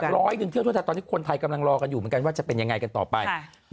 ร้อยนึงเที่ยวตอนที่คนไทยกำลังรอกันอยู่ว่าจะเป็นยังไงกันต่อไป